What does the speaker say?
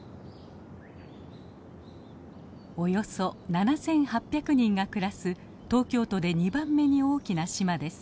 およそ７，８００人が暮らす東京都で２番目に大きな島です。